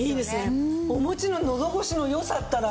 お餅ののど越しの良さったら。